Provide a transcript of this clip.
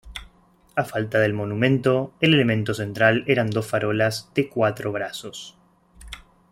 A falta del monumento, el elemento central eran dos farolas de cuatro brazos.